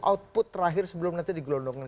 output terakhir sebelum nanti digelondong